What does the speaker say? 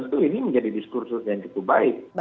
tentu ini menjadi diskursus yang cukup baik